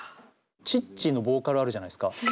チッチのボーカルあるじゃないですか。